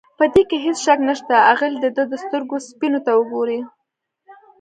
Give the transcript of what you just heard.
په دې کې هېڅ شک نشته، اغلې د ده د سترګو سپینو ته وګورئ.